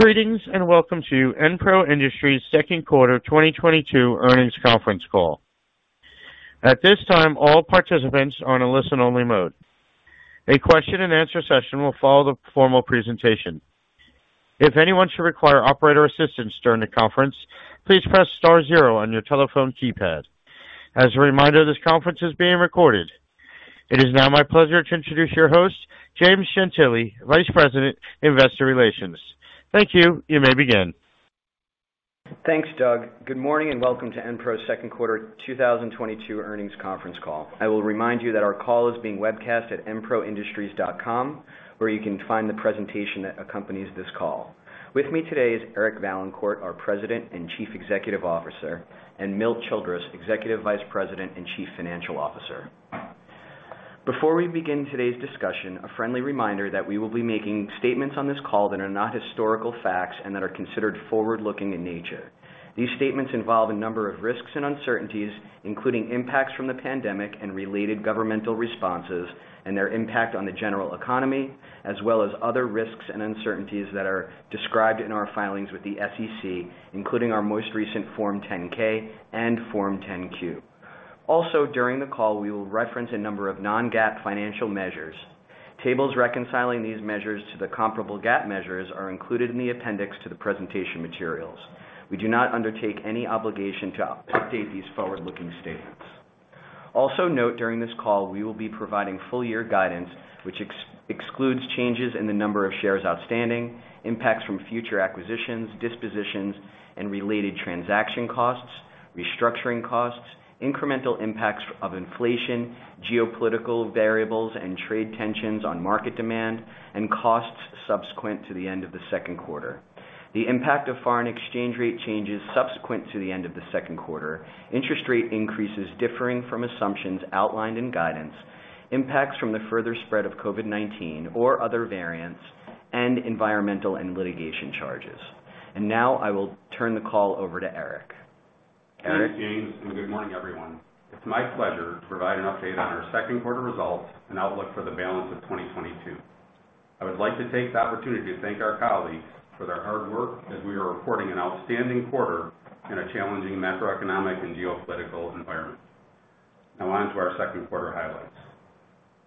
Greetings, and welcome to Enpro Industries Second Quarter 2022 Earnings Conference Call. At this time, all participants are on a listen-only mode. A question and answer session will follow the formal presentation. If anyone should require operator assistance during the conference, please press star zero on your telephone keypad. As a reminder, this conference is being recorded. It is now my pleasure to introduce your host, James Gentile, Vice President, Investor Relations. Thank you. You may begin. Thanks, Doug. Good morning, and welcome to Enpro Second Quarter 2022 Earnings Conference Call. I will remind you that our call is being webcast at enpro.com, where you can find the presentation that accompanies this call. With me today is Eric Vaillancourt, our President and Chief Executive Officer, and Milt Childress, Executive Vice President and Chief Financial Officer. Before we begin today's discussion, a friendly reminder that we will be making statements on this call that are not historical facts and that are considered forward-looking in nature. These statements involve a number of risks and uncertainties, including impacts from the pandemic and related governmental responses and their impact on the general economy, as well as other risks and uncertainties that are described in our filings with the SEC, including our most recent Form 10-K and Form 10-Q. During the call, we will reference a number of non-GAAP financial measures. Tables reconciling these measures to the comparable GAAP measures are included in the appendix to the presentation materials. We do not undertake any obligation to update these forward-looking statements. Note during this call, we will be providing full year guidance, which excludes changes in the number of shares outstanding, impacts from future acquisitions, dispositions, and related transaction costs, restructuring costs, incremental impacts of inflation, geopolitical variables, and trade tensions on market demand and costs subsequent to the end of the second quarter. The impact of foreign exchange rate changes subsequent to the end of the second quarter, interest rate increases differing from assumptions outlined in guidance, impacts from the further spread of COVID-19 or other variants, and environmental and litigation charges. Now I will turn the call over to Eric. Eric. Thanks, James, and good morning, everyone. It's my pleasure to provide an update on our second quarter results and outlook for the balance of 2022. I would like to take the opportunity to thank our colleagues for their hard work as we are reporting an outstanding quarter in a challenging macroeconomic and geopolitical environment. Now on to our second quarter highlights.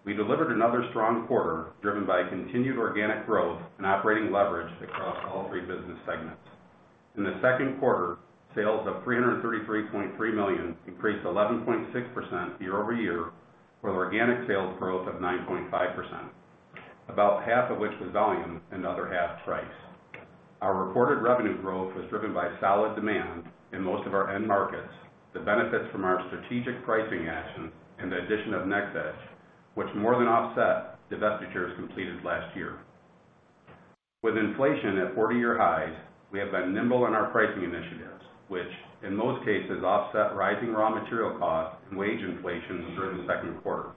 We delivered another strong quarter, driven by continued organic growth and operating leverage across all three business segments. In the second quarter, sales of $333.3 million increased 11.6% year-over-year, with organic sales growth of 9.5%, about half of which was volume and the other half price. Our reported revenue growth was driven by solid demand in most of our end markets, the benefits from our strategic pricing actions, and the addition of NxEdge, which more than offset divestitures completed last year. With inflation at 40-year highs, we have been nimble in our pricing initiatives, which in most cases offset rising raw material costs and wage inflation through the second quarter.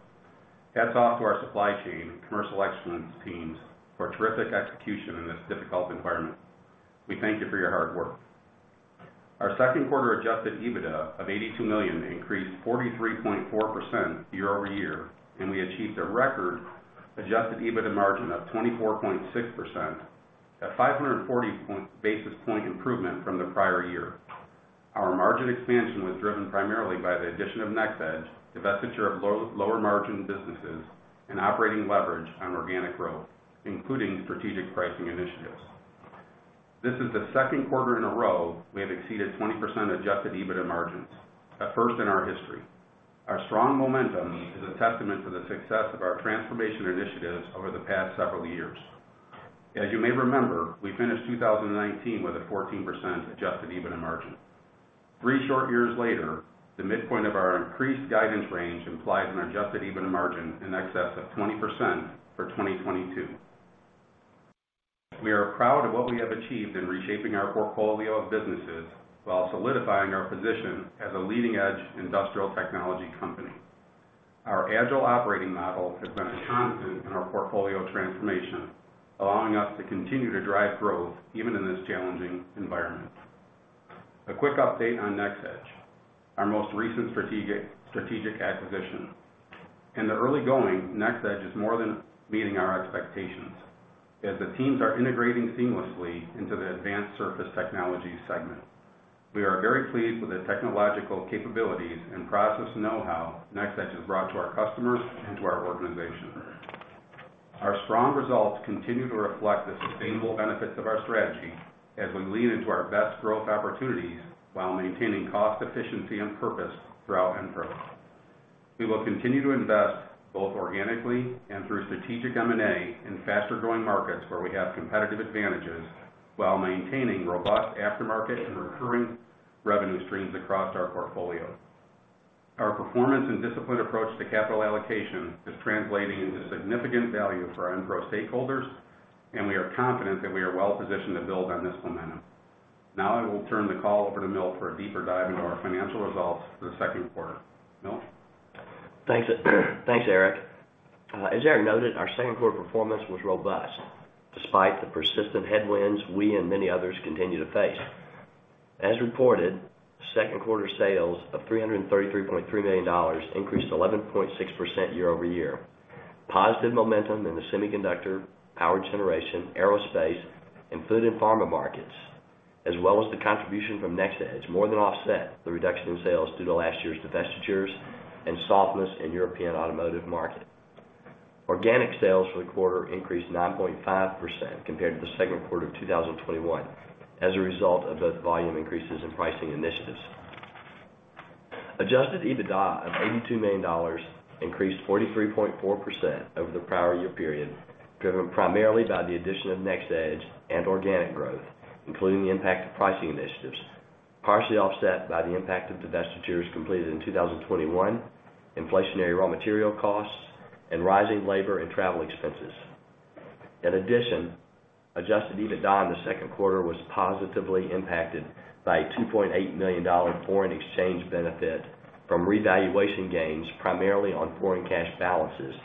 Hats off to our supply chain and commercial excellence teams for terrific execution in this difficult environment. We thank you for your hard work. Our second quarter adjusted EBITDA of $82 million increased 43.4% year-over-year, and we achieved a record adjusted EBITDA margin of 24.6%, a 540 basis point improvement from the prior year. Our margin expansion was driven primarily by the addition of NxEdge, divestiture of low-lower margin businesses, and operating leverage on organic growth, including strategic pricing initiatives. This is the second quarter in a row we have exceeded 20% adjusted EBITDA margins, a first in our history. Our strong momentum is a testament to the success of our transformation initiatives over the past several years. As you may remember, we finished 2019 with a 14% adjusted EBITDA margin. Three short years later, the midpoint of our increased guidance range implies an adjusted EBITDA margin in excess of 20% for 2022. We are proud of what we have achieved in reshaping our portfolio of businesses while solidifying our position as a leading-edge industrial technology company. Our agile operating model has been a constant in our portfolio transformation, allowing us to continue to drive growth even in this challenging environment. A quick update on NxEdge, our most recent strategic acquisition. In the early going, NxEdge is more than meeting our expectations, as the teams are integrating seamlessly into the Advanced Surface Technologies segment. We are very pleased with the technological capabilities and process know-how NxEdge has brought to our customers and to our organization. Our strong results continue to reflect the sustainable benefits of our strategy as we lean into our best growth opportunities while maintaining cost efficiency on purpose throughout Enpro. We will continue to invest, both organically and through strategic M&A, in faster-growing markets where we have competitive advantages while maintaining robust aftermarket and recurring revenue streams across our portfolio. Our performance and disciplined approach to capital allocation is translating into significant value for Enpro stakeholders, and we are confident that we are well positioned to build on this momentum. Now I will turn the call over to Milt for a deeper dive into our financial results for the second quarter. Milt? Thanks, Eric. As Eric noted, our second quarter performance was robust despite the persistent headwinds we and many others continue to face. As reported, second quarter sales of $333.3 million increased 11.6% year-over-year. Positive momentum in the semiconductor, power generation, aerospace, and food and pharma markets, as well as the contribution from NxEdge, more than offset the reduction in sales due to last year's divestitures and softness in European automotive market. Organic sales for the quarter increased 9.5% compared to the second quarter of 2021 as a result of both volume increases and pricing initiatives. Adjusted EBITDA of $82 million increased 43.4% over the prior year period, driven primarily by the addition of NxEdge and organic growth, including the impact of pricing initiatives, partially offset by the impact of divestitures completed in 2021, inflationary raw material costs, and rising labor and travel expenses. In addition, adjusted EBITDA in the second quarter was positively impacted by a $2.8 million foreign exchange benefit from revaluation gains primarily on foreign cash balances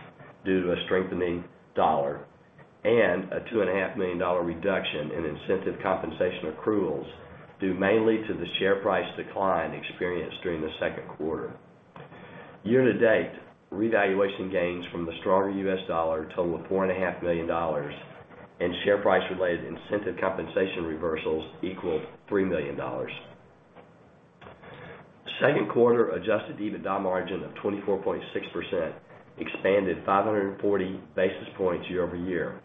due to a strengthening dollar and a $2.5 million reduction in incentive compensation accruals due mainly to the share price decline experienced during the second quarter. Year-to-date, revaluation gains from the stronger US dollar total $4.5 million and share price-related incentive compensation reversals equal $3 million. Second quarter adjusted EBITDA margin of 24.6% expanded 540 basis points year-over-year.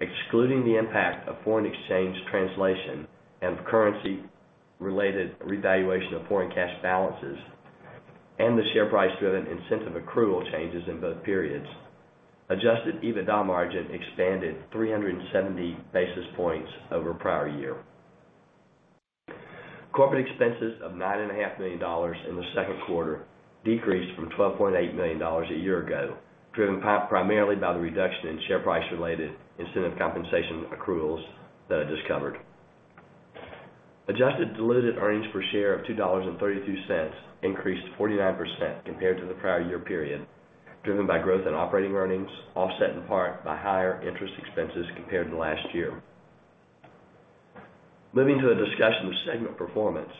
Excluding the impact of foreign exchange translation and currency-related revaluation of foreign cash balances and the share price-driven incentive accrual changes in both periods, adjusted EBITDA margin expanded 370 basis points over prior year. Corporate expenses of $9.5 million in the second quarter decreased from $12.8 million a year ago, driven primarily by the reduction in share price-related incentive compensation accruals that I just covered. Adjusted diluted earnings per share of $2.32 increased 49% compared to the prior year period, driven by growth in operating earnings, offset in part by higher interest expenses compared to last year. Moving to a discussion of segment performance.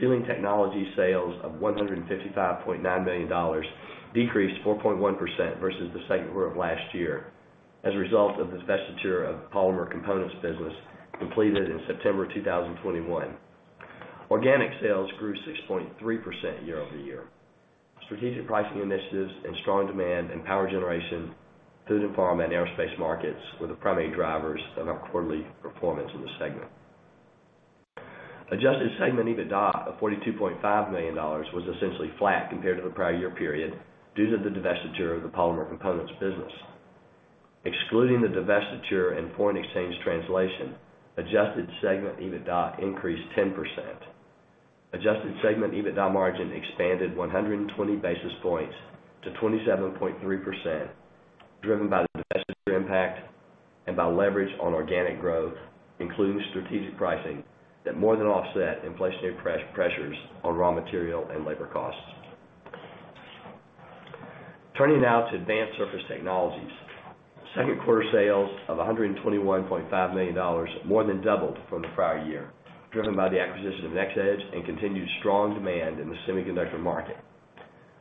Sealing Technologies sales of $155.9 million decreased 4.1% versus the second quarter of last year as a result of divestiture of polymer components business completed in September 2021. Organic sales grew 6.3% year-over-year. Strategic pricing initiatives and strong demand in power generation, food and pharma, and aerospace markets were the primary drivers of our quarterly performance in the segment. Adjusted segment EBITDA of $42.5 million was essentially flat compared to the prior year period due to the divestiture of the polymer components business. Excluding the divestiture and foreign exchange translation, adjusted segment EBITDA increased 10%. Adjusted segment EBITDA margin expanded 120 basis points to 27.3%, driven by the divestiture impact and by leverage on organic growth, including strategic pricing that more than offset inflationary pressures on raw material and labor costs. Turning now to Advanced Surface Technologies. Second quarter sales of $121.5 million more than doubled from the prior year, driven by the acquisition of NxEdge and continued strong demand in the semiconductor market.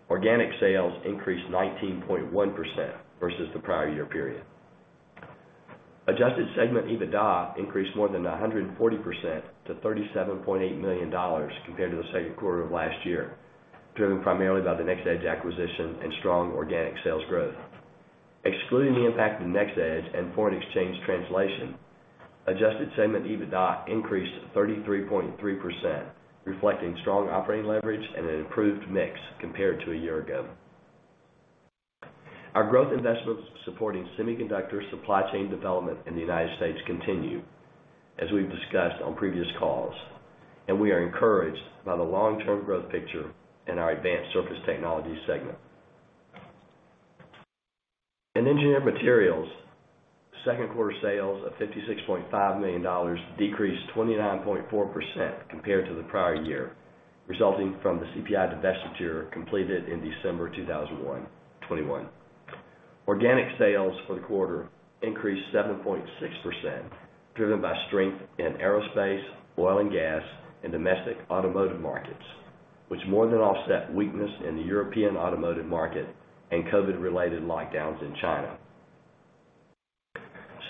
Organic sales increased 19.1% versus the prior year period. Adjusted segment EBITDA increased more than 140% to $37.8 million compared to the second quarter of last year, driven primarily by the NxEdge acquisition and strong organic sales growth. Excluding the impact of NxEdge and foreign exchange translation, adjusted segment EBITDA increased 33.3%, reflecting strong operating leverage and an improved mix compared to a year ago. Our growth investments supporting semiconductor supply chain development in the United States continue, as we've discussed on previous calls, and we are encouraged by the long-term growth picture in our Advanced Surface Technologies segment. In Engineered Materials, second quarter sales of $56.5 million decreased 29.4% compared to the prior year, resulting from the CPI divestiture completed in December 2021. Organic sales for the quarter increased 7.6%, driven by strength in aerospace, oil and gas, and domestic automotive markets, which more than offset weakness in the European automotive market and COVID-related lockdowns in China.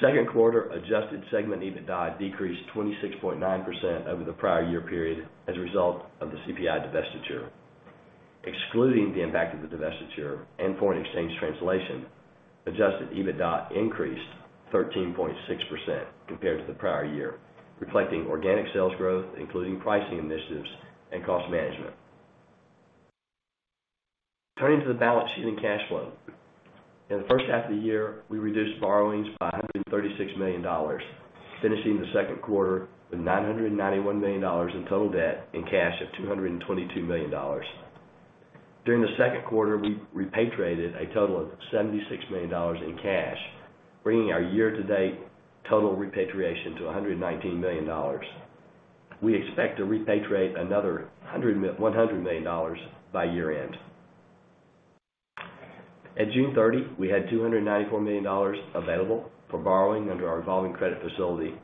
Second quarter adjusted segment EBITDA decreased 26.9% over the prior year period as a result of the CPI divestiture. Excluding the impact of the divestiture and foreign exchange translation, adjusted EBITDA increased 13.6% compared to the prior year, reflecting organic sales growth, including pricing initiatives and cost management. Turning to the balance sheet and cash flow. In the first half of the year, we reduced borrowings by $136 million, finishing the second quarter with $991 million in total debt and cash of $222 million. During the second quarter, we repatriated a total of $76 million in cash, bringing our year-to-date total repatriation to $119 million. We expect to repatriate another $100 million by year-end. At June 30, we had $294 million available for borrowing under our revolving credit facility.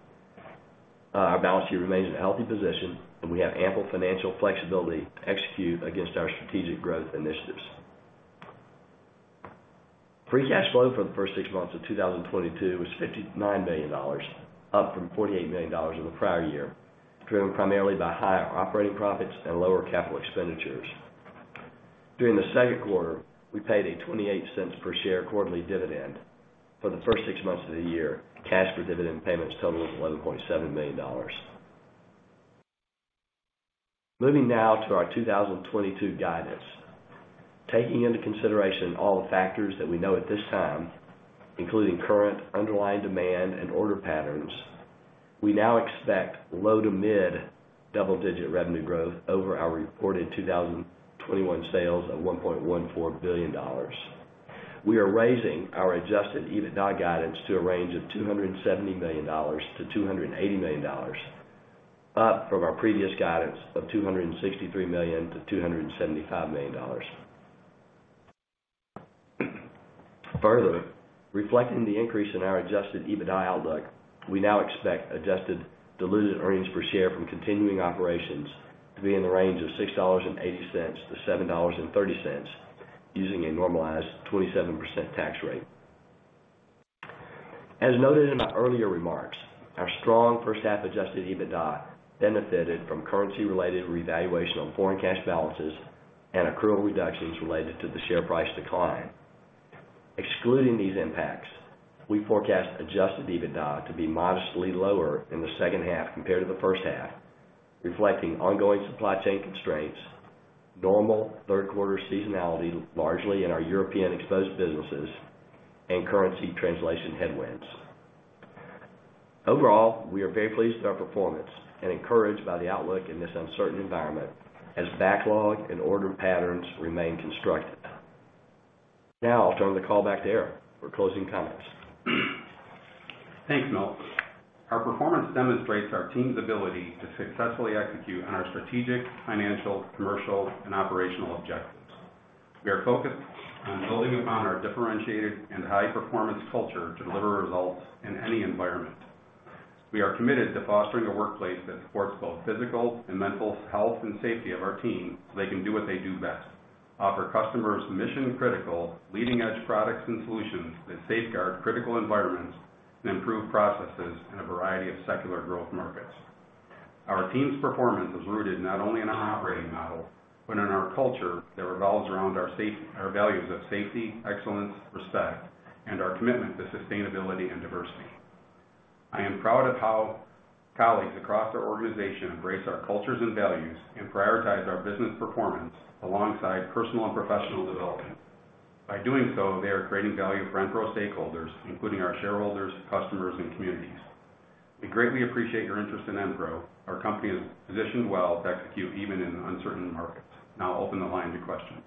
Our balance sheet remains in a healthy position, and we have ample financial flexibility to execute against our strategic growth initiatives. Free cash flow for the first six months of 2022 was $59 million, up from $48 million in the prior year, driven primarily by higher operating profits and lower capital expenditures. During the second quarter, we paid a $0.28 per share quarterly dividend. For the first six months of the year, cash for dividend payments totaled $11.7 million. Moving now to our 2022 guidance. Taking into consideration all the factors that we know at this time, including current underlying demand and order patterns, we now expect low- to mid-double-digit revenue growth over our reported 2021 sales of $1.14 billion. We are raising our adjusted EBITDA guidance to a range of $270 million-$280 million, up from our previous guidance of $263 million-$275 million. Further, reflecting the increase in our adjusted EBITDA outlook, we now expect adjusted diluted earnings per share from continuing operations to be in the range of $6.80-$7.30 using a normalized 27% tax rate. As noted in my earlier remarks, our strong first half adjusted EBITDA benefited from currency-related revaluation on foreign cash balances and accrual reductions related to the share price decline. Excluding these impacts, we forecast adjusted EBITDA to be modestly lower in the second half compared to the first half, reflecting ongoing supply chain constraints, normal third quarter seasonality, largely in our European exposed businesses and currency translation headwinds. Overall, we are very pleased with our performance and encouraged by the outlook in this uncertain environment as backlog and order patterns remain constructive. Now I'll turn the call back to Eric Vaillancourt for closing comments. Thanks, Milt. Our performance demonstrates our team's ability to successfully execute on our strategic, financial, commercial and operational objectives. We are focused on building upon our differentiated and high-performance culture to deliver results in any environment. We are committed to fostering a workplace that supports both physical and mental health and safety of our team, so they can do what they do best, offer customers mission-critical, leading-edge products and solutions that safeguard critical environments and improve processes in a variety of secular growth markets. Our team's performance is rooted not only in our operating model, but in our culture that revolves around our values of safety, excellence, respect, and our commitment to sustainability and diversity. I am proud of how colleagues across our organization embrace our cultures and values and prioritize our business performance alongside personal and professional development. By doing so, they are creating value for Enpro stakeholders, including our shareholders, customers, and communities. We greatly appreciate your interest in Enpro. Our company is positioned well to execute even in uncertain markets. Now I'll open the line to questions.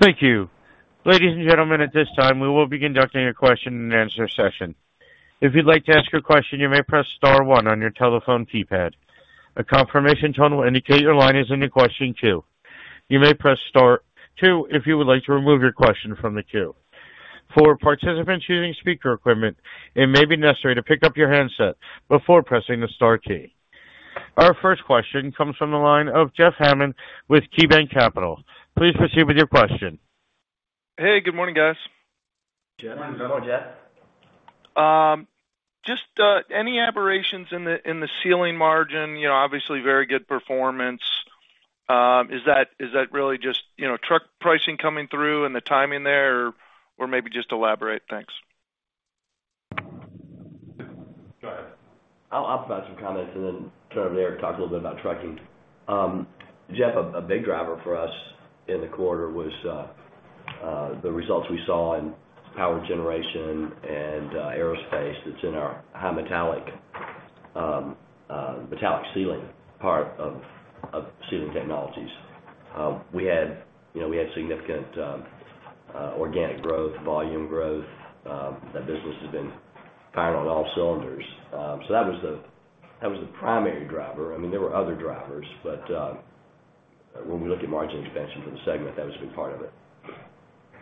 Thank you. Ladies and gentlemen, at this time, we will be conducting a question and answer session. If you'd like to ask your question, you may press star one on your telephone keypad. A confirmation tone will indicate your line is in the question queue. You may press star two if you would like to remove your question from the queue. For participants using speaker equipment, it may be necessary to pick up your handset before pressing the star key. Our first question comes from the line of Jeff Hammond with KeyBanc Capital Markets. Please proceed with your question. Hey, good morning, guys. Good morning. Good morning, Jeff. Just any aberrations in the Sealing margin, you know, obviously very good performance. Is that really just, you know, true pricing coming through and the timing there, or maybe just elaborate? Thanks. Go ahead. I'll provide some comments and then turn it over to Eric Vaillancourt to talk a little bit about trucking. Jeff, a big driver for us in the quarter was the results we saw in power generation and aerospace that's in our high-performance metallic sealing part of Sealing Technologies. We had, you know, significant organic growth, volume growth. That business has been firing on all cylinders. That was the primary driver. I mean, there were other drivers, but when we look at margin expansion for the segment, that was a big part of it.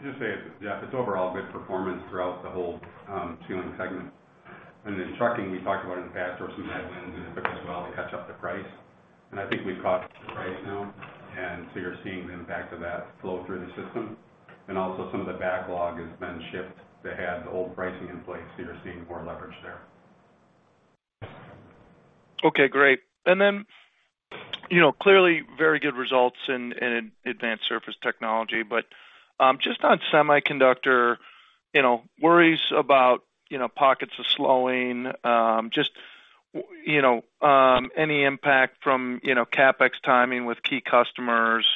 I'll just say, Jeff, it's overall good performance throughout the whole sealing segment. In trucking, we talked about in the past there were some headwinds, and it took us a while to catch up to price. I think we've caught up to price now. You're seeing the impact of that flow through the system. Some of the backlog has been shipped that had the old pricing in place, so you're seeing more leverage there. Okay, great. Then, you know, clearly very good results in advanced surface technology, but just on semiconductor, you know, worries about, you know, pockets of slowing, just, you know, any impact from, you know, CapEx timing with key customers.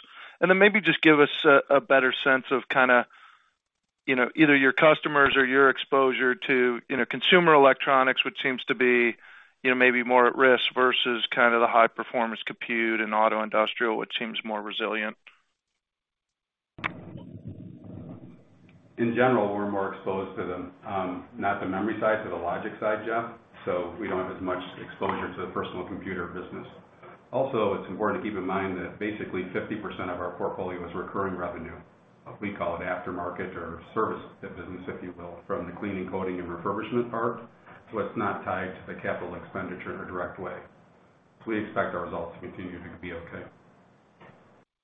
Then maybe just give us a better sense of kind of, you know, either your customers or your exposure to, you know, consumer electronics, which seems to be, you know, maybe more at risk versus kind of the high-performance compute and auto industrial, which seems more resilient. In general, we're more exposed to the not the memory side, to the logic side, Jeff. We don't have as much exposure to the personal computer business. Also, it's important to keep in mind that basically 50% of our portfolio is recurring revenue. We call it aftermarket or service the business, if you will, from the cleaning, coating, and refurbishment part. It's not tied to the capital expenditure in a direct way. We expect our results to continue to be okay.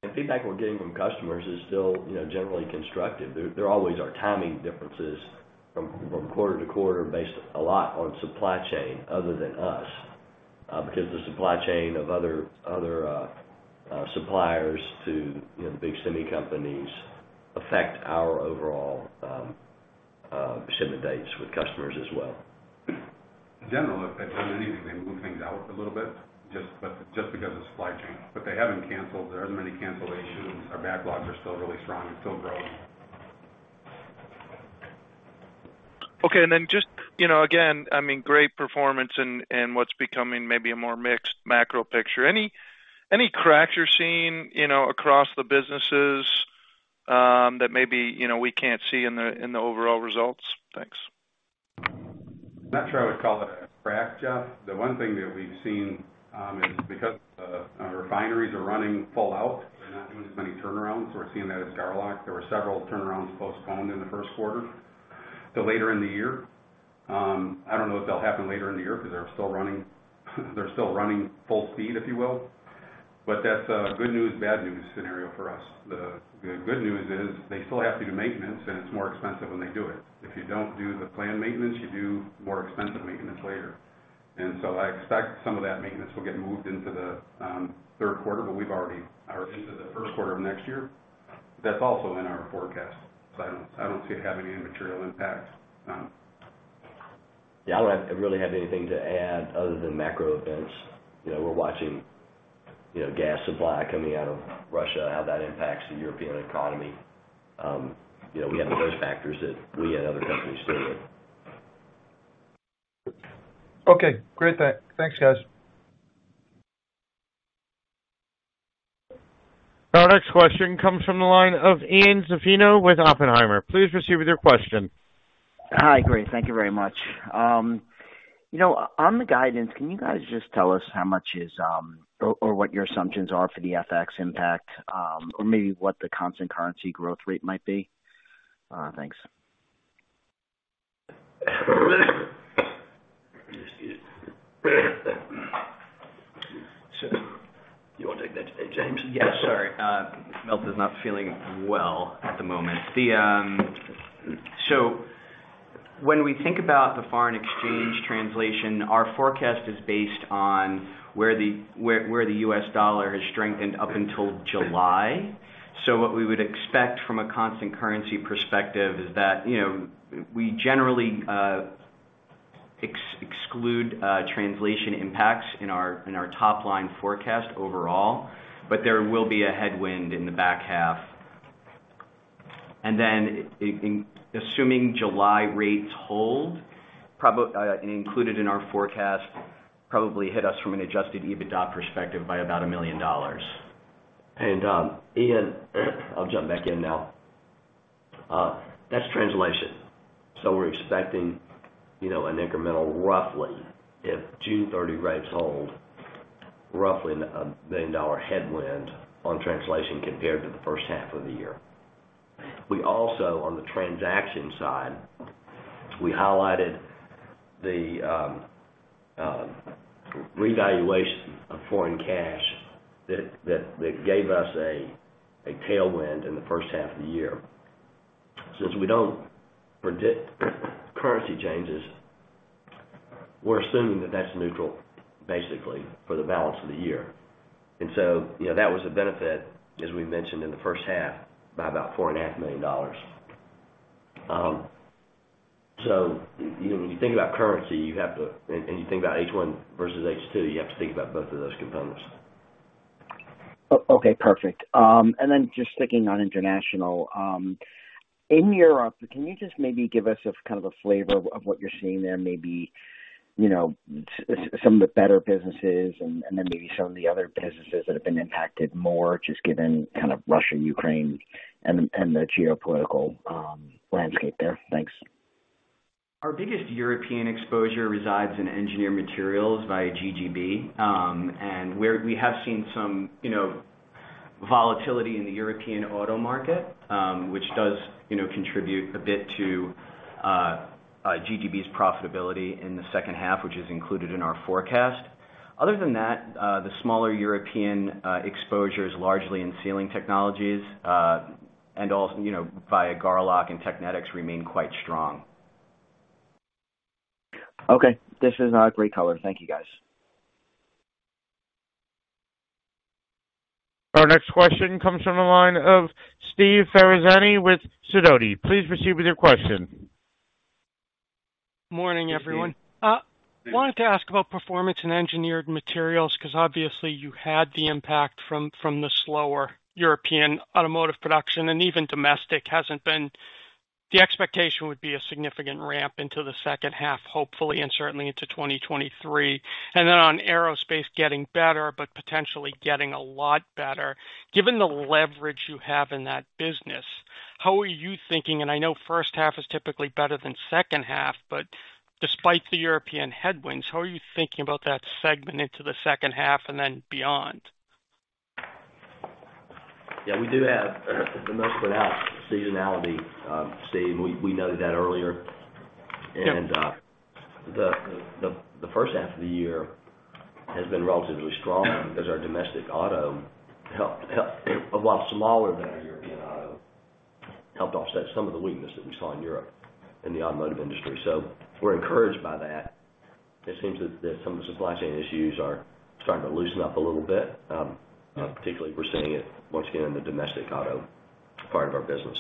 The feedback we're getting from customers is still, you know, generally constructive. There always are timing differences from quarter to quarter based a lot on supply chain other than us, because the supply chain of other suppliers to, you know, the big semi companies affect our overall shipment dates with customers as well. In general, if they've done anything, they move things out a little bit, just because of supply chain. They haven't canceled. There aren't many cancellations. Our backlogs are still really strong and still growing. Okay. Just, you know, again, I mean, great performance in what's becoming maybe a more mixed macro picture. Any cracks you're seeing, you know, across the businesses that maybe, you know, we can't see in the overall results? Thanks. I'm not sure I would call it a crack, Jeff. The one thing that we've seen is because our refineries are running full out, they're not doing as many turnarounds, so we're seeing that as Garlock. There were several turnarounds postponed in the first quarter till later in the year. I don't know if they'll happen later in the year 'cause they're still running full speed, if you will. That's a good news, bad news scenario for us. The good news is they still have to do maintenance, and it's more expensive when they do it. If you don't do the planned maintenance, you do more expensive maintenance later. I expect some of that maintenance will get moved into the third quarter, or into the first quarter of next year. That's also in our forecast. I don't see it having any material impact. Yeah, I don't really have anything to add other than macro events. You know, we're watching, you know, gas supply coming out of Russia, how that impacts the European economy. You know, we have those factors that we had other companies deal with. Okay, great. Thanks, guys. Our next question comes from the line of Ian Zaffino with Oppenheimer. Please proceed with your question. Hi, great. Thank you very much. You know, on the guidance, can you guys just tell us how much is, or what your assumptions are for the FX impact, or maybe what the constant currency growth rate might be? Thanks. Excuse me. You wanna take that today, James? Yeah, sorry. Milt is not feeling well at the moment. When we think about the foreign exchange translation, our forecast is based on where the US dollar has strengthened up until July. What we would expect from a constant currency perspective is that, you know, we generally exclude translation impacts in our top line forecast overall, but there will be a headwind in the back half. In assuming July rates hold, included in our forecast, probably hit us from an adjusted EBITDA perspective by about $1 million. Ian, I'll jump back in now. That's translation. We're expecting, you know, an incremental roughly if June 30 rates hold, roughly $1 million headwind on translation compared to the first half of the year. We also, on the transaction side, we highlighted the revaluation of foreign cash that gave us a tailwind in the first half of the year. Since we don't predict currency changes, we're assuming that's basically neutral for the balance of the year. You know, that was a benefit, as we mentioned in the first half, by about $4.5 million. You know, when you think about currency, you have to you think about H1 versus H2, you have to think about both of those components. Okay, perfect. Just sticking on international, in Europe, can you just maybe give us a kind of a flavor of what you're seeing there? Maybe, you know, some of the better businesses and then maybe some of the other businesses that have been impacted more, just given kind of Russia, Ukraine, and the geopolitical landscape there. Thanks. Our biggest European exposure resides in Engineered Materials via GGB, and we have seen some, you know, volatility in the European auto market, which does, you know, contribute a bit to GGB's profitability in the second half, which is included in our forecast. Other than that, the smaller European exposure is largely in Sealing Technologies, and also, you know, via Garlock and Technetics remain quite strong. Okay. This is a great color. Thank you, guys. Our next question comes from the line of Steve Ferazani with Sidoti. Please proceed with your question. Morning, everyone. Wanted to ask about performance in Engineered Materials because obviously you had the impact from the slower European automotive production and even domestic hasn't been. The expectation would be a significant ramp into the second half, hopefully, and certainly into 2023. On aerospace getting better, but potentially getting a lot better. Given the leverage you have in that business. How are you thinking, and I know first half is typically better than second half, but despite the European headwinds, how are you thinking about that segment into the second half and then beyond? Yeah, we do have the most pronounced seasonality, Steve. We noted that earlier. Yep. The first half of the year has been relatively strong because our domestic auto, a lot smaller than our European auto, helped offset some of the weakness that we saw in Europe in the automotive industry. We're encouraged by that. It seems that some of the supply chain issues are starting to loosen up a little bit, particularly we're seeing it once again in the domestic auto part of our business.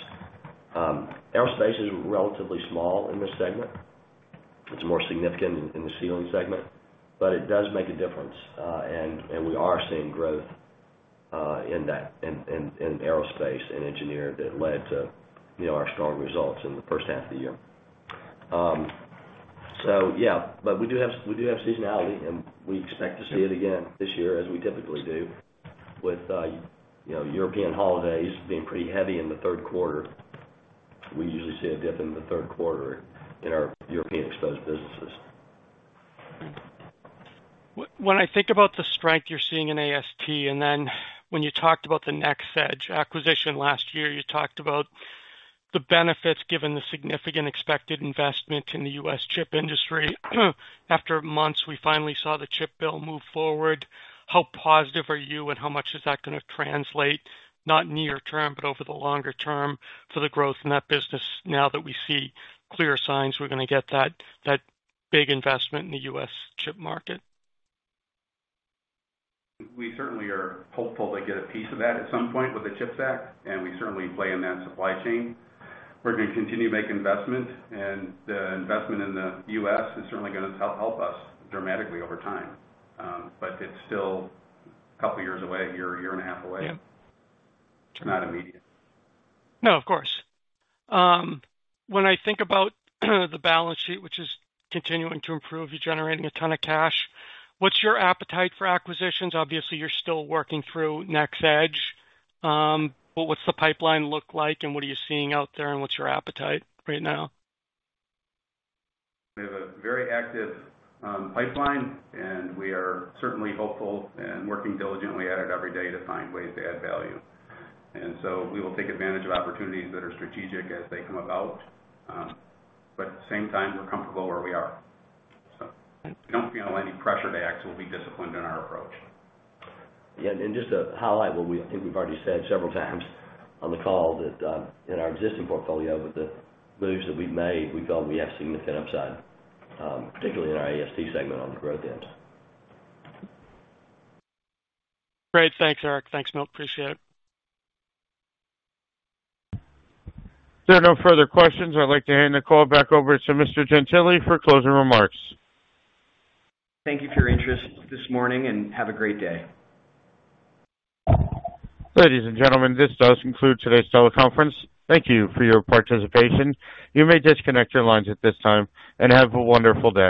Aerospace is relatively small in this segment. It's more significant in the Sealing segment, but it does make a difference. We are seeing growth in aerospace and engineered that led to, you know, our strong results in the first half of the year. Yeah, we do have seasonality, and we expect to see it again this year as we typically do with you know, European holidays being pretty heavy in the third quarter. We usually see a dip in the third quarter in our European exposed businesses. When I think about the strength you're seeing in AST, and then when you talked about the NxEdge acquisition last year, you talked about the benefits given the significant expected investment in the U.S. chip industry. After months, we finally saw the chip bill move forward. How positive are you and how much is that gonna translate, not near term, but over the longer term for the growth in that business now that we see clear signs we're gonna get that big investment in the U.S. chip market? We certainly are hopeful to get a piece of that at some point with the CHIPS Act, and we certainly play in that supply chain. We're gonna continue to make investment, and the investment in the U.S. is certainly gonna help us dramatically over time. But it's still a couple years away, a year and a half away. Yeah. It's not immediate. No, of course. When I think about the balance sheet, which is continuing to improve, you're generating a ton of cash. What's your appetite for acquisitions? Obviously, you're still working through NxEdge. What's the pipeline look like and what are you seeing out there and what's your appetite right now? We have a very active pipeline, and we are certainly hopeful and working diligently at it every day to find ways to add value. We will take advantage of opportunities that are strategic as they come about. At the same time, we're comfortable where we are. We don't feel any pressure to act. We'll be disciplined in our approach. Yeah, just to highlight what we think we've already said several times on the call, that in our existing portfolio with the moves that we've made, we feel we have significant upside, particularly in our AST segment on the growth end. Great. Thanks, Eric. Thanks, Milt. Appreciate it. There are no further questions. I'd like to hand the call back over to Mr. Gentile for closing remarks. Thank you for your interest this morning, and have a great day. Ladies and gentlemen, this does conclude today's teleconference. Thank you for your participation. You may disconnect your lines at this time, and have a wonderful day.